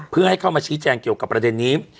เพื่อให้เข้ามาชี้แจงเกี่ยวกับประเด็นนี้